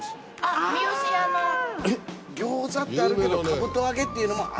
餃子ってあるけどかぶとあげっていうのもあると。